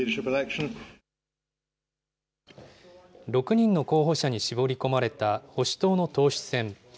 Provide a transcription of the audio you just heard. ６人の候補者に絞り込まれた保守党の党首選。